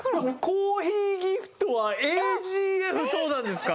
「コーヒーギフトはＡＧＦ」そうなんですか？